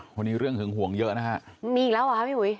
คนนี้เรื่องหึงห่วงเยอะนะฮะมีอีกแล้วเหรอคะพี่หุย